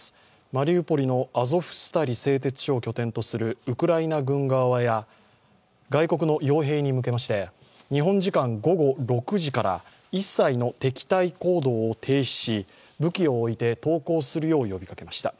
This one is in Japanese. マリウポリのアゾフスタリ製鉄所を拠点とするウクライナ軍側や外国のよう兵に向けまして、日本時間午後６時から、一切の敵対行動を停止し武器を置いて投降するよう呼びかけました。